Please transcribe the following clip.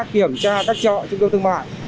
kiểm tra các chợ trung tâm thương mại